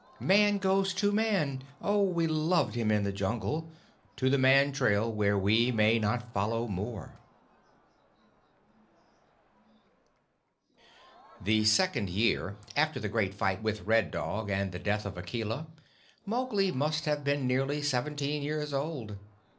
Man goes to Man! (Oh, we loved him in the Jungle!) To the Man Trail where we may not follow more. THE SPRING RUNNING The second year after the great fight with Red Dog and the death of Akela, Mowgli must have been nearly seventeen years old.